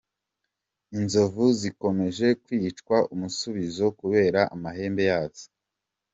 Inzovu zikomeje kwicwa umusubizo kubera amahembe yazo